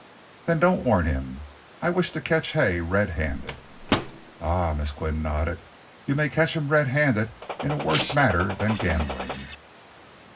"Then don't warn him. I wish to catch Hay red handed." "Ah," Miss Qian nodded, "you may catch him red handed in a worse matter than gambling."